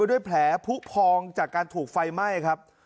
ด้วยแผลผู้พองจากการถูกไฟไหม้ครับ